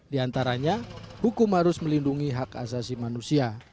di antaranya hukum harus melindungi hak asasi manusia